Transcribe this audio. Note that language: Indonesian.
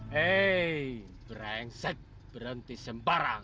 hei brengsek berhenti sembarang